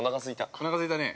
◆おなかすいたね。